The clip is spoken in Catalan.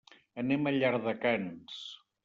Anem a Llardecans.